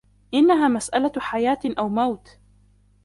إنها مسالة حياة أو موت.